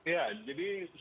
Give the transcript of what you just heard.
ya jadi saya lihat sih